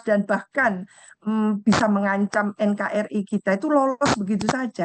dan bahkan bisa mengancam nkri kita itu lolos begitu saja